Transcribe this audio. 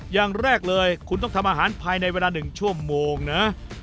อย่างแรกเลยคุณต้องทำอาหารภายในเวลา๑ชั่วโมงนะ